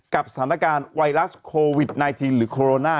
กับสถานการณ์ไวรัสโควิด๑๙หรือโคโรนา